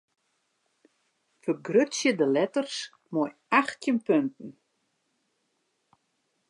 Fergrutsje de letters mei achttjin punten.